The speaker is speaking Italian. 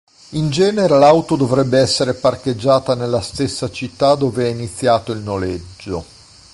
In genere l’auto dovrebbe essere parcheggiata nella stessa città dove è iniziato il noleggio.